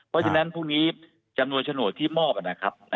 เพราะฉะนั้นพรุ่งนี้จำนวนโฉนดที่มอบนะครับ